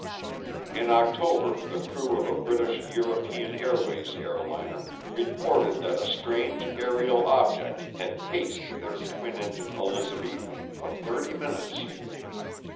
In October the crew of a British European Airways airliner reported that a "strange aerial object" had paced their twin engined Elizabethan for thirty minutes.